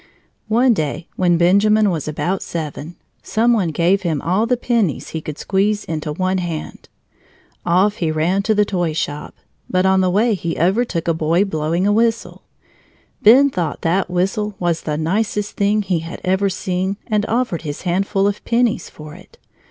One day when Benjamin was about seven, some one gave him all the pennies he could squeeze into one hand. Off he ran to the toy shop, but on his way he overtook a boy blowing a whistle. Ben thought that whistle was the nicest thing he had ever seen and offered his handful of pennies for it.